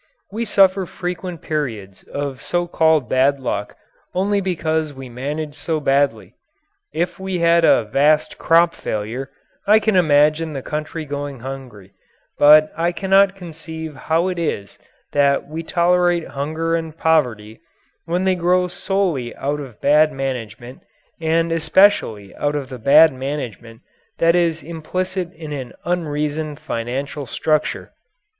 We suffer frequent periods of so called bad luck only because we manage so badly. If we had a vast crop failure, I can imagine the country going hungry, but I cannot conceive how it is that we tolerate hunger and poverty, when they grow solely out of bad management, and especially out of the bad management that is implicit in an unreasoned financial structure.